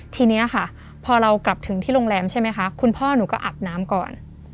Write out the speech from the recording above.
ทีนี้ค่ะพอเรากลับถึงที่โรงแรมใช่ไหมคะคุณพ่อหนูก็อาบน้ำก่อน